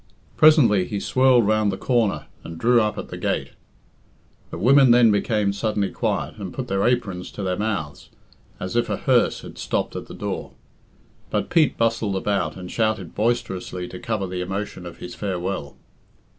Presently he swirled round the corner and drew up at the gate. The women then became suddenly quiet, and put their aprons to their mouths, as if a hearse had stopped at the door; but Pete bustled about and shouted boisterously to cover the emotion of his farewell.